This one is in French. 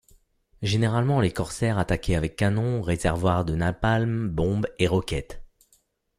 Généralement, les Corsair attaquaient avec canons, réservoirs de napalm, bombes et roquettes.